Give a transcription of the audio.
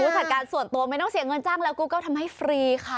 จัดการส่วนตัวไม่ต้องเสียเงินจ้างแล้วกูก็ทำให้ฟรีค่ะ